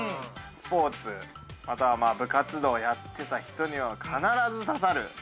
スポーツまたは部活動やってた人には必ず刺さる。